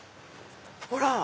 ほら。